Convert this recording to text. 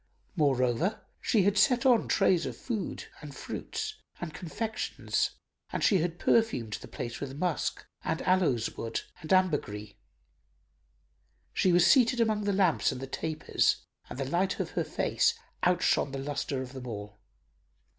Moreover, she had set on trays of food and fruits and confections and she had perfumed the place with musk and aloes wood and ambergris. She was seated among the lamps and the tapers and the light of her face outshone the lustre of them all.